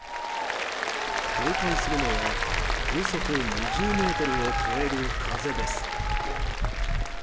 警戒するのは風速２０メートルを超える風です。